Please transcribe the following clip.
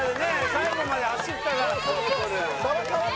最後まで走ったからにこるん。